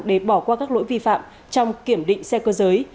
để bỏ qua các lỗi vi phạm trong kiểm định xe cơ giới